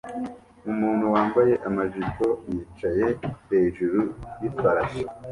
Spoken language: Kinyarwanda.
Umuntu wambaye amajipo yicaye hejuru y'ifarashi